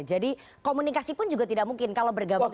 jadi komunikasi pun juga tidak mungkin kalau bergabung